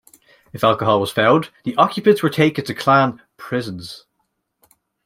If alcohol was found, the occupants were taken to Klan "prisons".